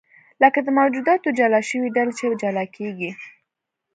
لکه د موجوداتو جلا شوې ډلې چې جلا کېږي.